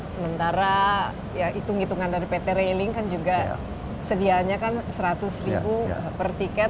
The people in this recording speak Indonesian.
sementara ya hitung hitungan dari pt railing kan juga sedianya kan seratus ribu per tiket